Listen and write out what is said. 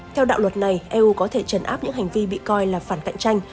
theo đạo luật này eu có thể chấn áp những hành vi bị coi là phản cạnh tranh